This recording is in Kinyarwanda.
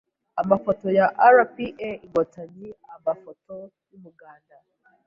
Amafoto ya RPA/ INKOTANYI Amafoto y’umuganda,